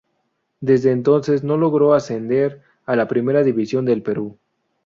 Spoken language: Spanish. Desde entonces no logró ascender a la Primera División del Perú.